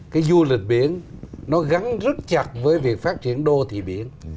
cái du lịch biển nó gắn rất chặt với việc phát triển đô thị biển